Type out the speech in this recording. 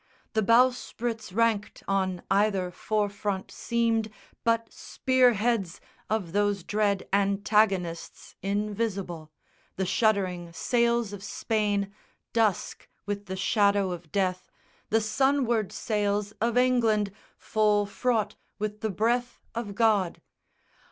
The bowsprits ranked on either fore front seemed But spear heads of those dread antagonists Invisible: the shuddering sails of Spain Dusk with the shadow of death, the sunward sails Of England full fraught with the breath of God.